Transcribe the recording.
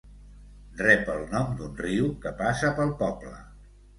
Rep el nom d'un riu que passa pel poble.